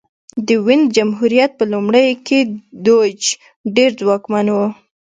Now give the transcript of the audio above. د وینز جمهوریت په لومړیو کې دوج ډېر ځواکمن و